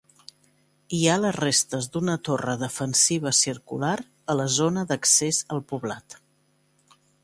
Hi ha les restes d'una torre defensiva circular a la zona d'accés al poblat.